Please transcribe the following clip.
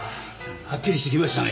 はっきりしてきましたね。